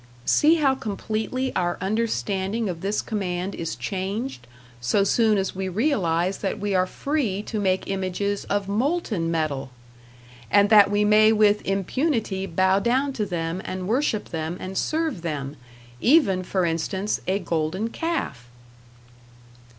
See how completely our understanding of this command is changed, so soon as we realize that we are free to make images of molten metal! And that we may with impunity bow down to them and worship them and serve them even, for instance, a Golden Calf!